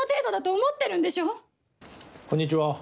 こんにちは。